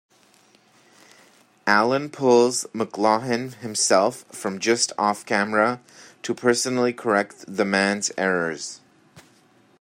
Allen pulls McLuhan himself from just off camera to personally correct the man's errors.